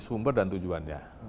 sumber dan tujuannya